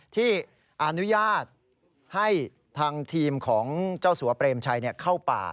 ที่อนุญาตให้ทางทีมของเจ้าสัวเปรมชัยเข้าป่า